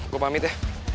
gua pamit ya